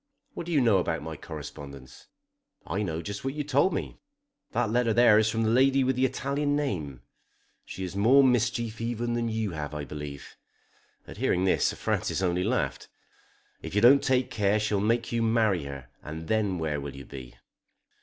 "What do you know about my correspondence?" "I know just what you told me. That letter there is from the lady with the Italian name. She has more mischief even than you have, I believe." At hearing this Sir Francis only laughed. "If you don't take care she'll make you marry her, and then where will you be?"